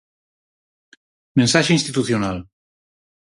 Mensaxe institucional.